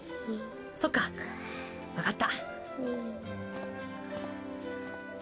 そっかわかった。